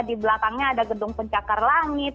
di belakangnya ada gedung pencakar langit